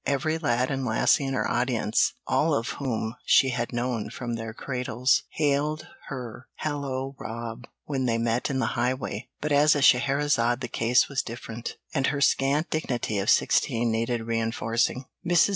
Every lad and lassie in her audience all of whom she had known from their cradles hailed her "Hallo, Rob," when they met in the highway, but as a Scheherazade the case was different, and her scant dignity of sixteen needed re enforcing. Mrs.